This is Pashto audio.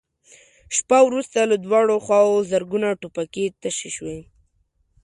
شېبه وروسته له دواړو خواوو زرګونه ټوپکې تشې شوې.